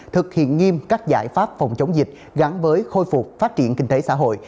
thực hiện nghiêm các giải pháp phòng chống dịch gắn với khôi phục phát triển kinh tế xã hội